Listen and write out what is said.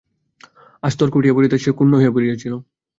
আজ তর্ক উঠিয়া পড়াতে সে ক্ষুণ্ন হইয়া পড়িয়াছিল।